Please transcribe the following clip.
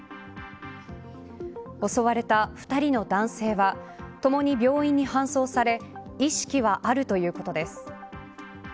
襲われた２人の男性はともに病院に搬送され意識はあるということです。